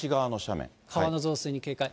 川の増水に警戒。